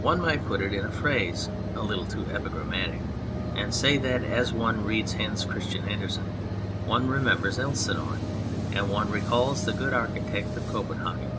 One might put it in a phrase a little too epigrammatic and say that as one reads Hans Christian Andersen one remembers Elsinore, and one recalls the good architecture of Copenhagen.